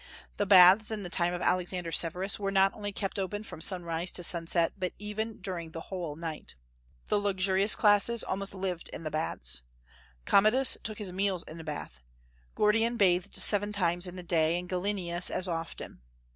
The baths in the time of Alexander Severus were not only kept open from sunrise to sunset, but even during the whole night. The luxurious classes almost lived in the baths. Commodus took his meals in the bath. Gordian bathed seven times in the day, and Gallienus as often.